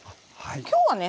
今日はね